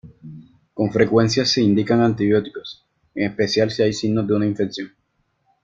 Con frecuencia se indican antibióticos, en especial si hay signos de una infección.